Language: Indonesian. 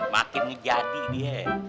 makin menjadi dia